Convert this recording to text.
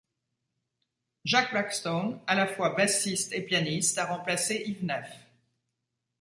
Jacques Blackstone, à la fois bassiste et pianiste, a remplacé Yves Neff.